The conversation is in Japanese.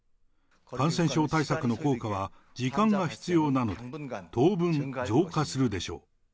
感染症対策の効果は時間が必要なので、当然、増加するでしょう。